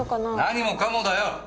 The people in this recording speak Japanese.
何もかもだよ！